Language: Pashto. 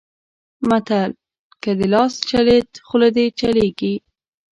متل؛ که دې لاس چلېد؛ خوله دې چلېږي.